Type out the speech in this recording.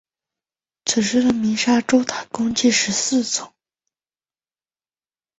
此时的鸣沙洲塔共计十四层。